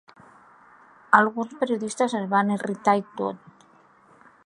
Alguns periodistes es van irritar i tot.